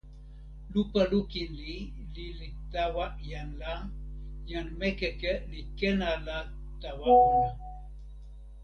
lupa lukin li lili tawa jan la, jan Mekeke li ken ala tawa ona.